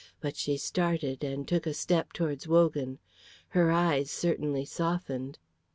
But she started and took a step towards Wogan. Her eyes certainly softened.